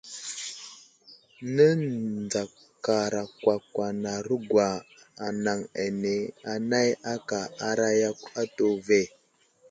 Nəzakarakwakwanarogwa anaŋ ane anay aka aray yakw atu ve.